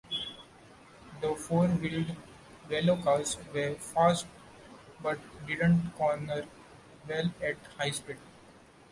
The four-wheeled Velocars were fast but didn't corner well at high speed.